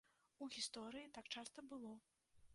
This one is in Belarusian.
У гісторыі так часта было.